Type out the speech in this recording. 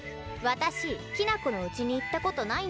私きな子のうちに行ったことないんだけど。